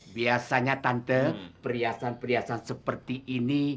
biasanya tante perhiasan perhiasan seperti ini